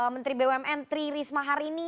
menteri bumn tri risma harini